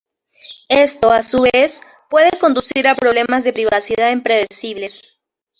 Esto, a su vez, puede conducir a problemas de privacidad impredecibles.